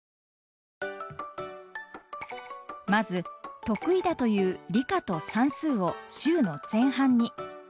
まず得意だという理科と算数を週の前半に。